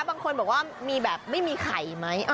บางคนบอกว่ามีแบบไม่มีไข่ไหม